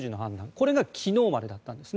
これが昨日までだったんです。